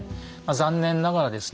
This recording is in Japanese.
残念ながらですね